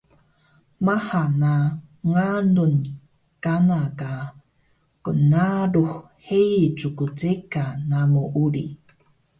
Maha na ngalun kana ka knnarux heyi ckceka namu uri